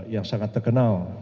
yang sangat terkenal